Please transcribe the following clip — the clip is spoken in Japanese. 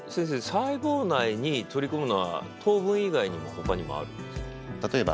先生細胞内に取り込むのは糖分以外にも他にもあるんですか。